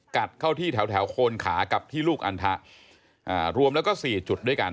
กัดเข้าที่แถวโคนขากับที่ลูกอันทะรวมแล้วก็๔จุดด้วยกัน